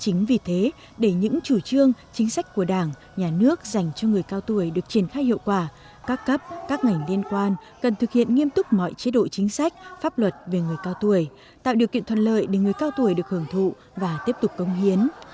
chính vì thế để những chủ trương chính sách của đảng nhà nước dành cho người cao tuổi được triển khai hiệu quả các cấp các ngành liên quan cần thực hiện nghiêm túc mọi chế độ chính sách pháp luật về người cao tuổi tạo điều kiện thuận lợi để người cao tuổi được hưởng thụ và tiếp tục công hiến